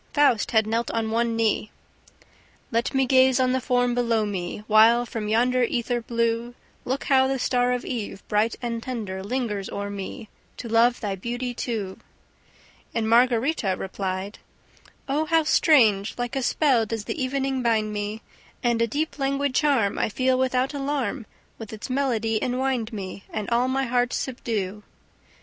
Faust had knelt on one knee: "Let me gaze on the form below me, While from yonder ether blue Look how the star of eve, bright and tender, lingers o'er me, To love thy beauty too!" And Margarita replied: "Oh, how strange! Like a spell does the evening bind me! And a deep languid charm I feel without alarm With its melody enwind me And all my heart subdue."